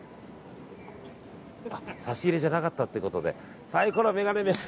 差し入れじゃなかったっていうことでサイコロメガネ飯！